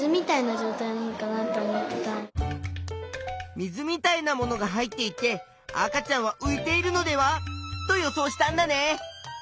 水みたいなものが入っていて赤ちゃんは浮いているのではと予想したんだね。